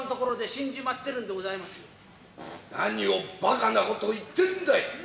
何をばかなこと言ってるんだい。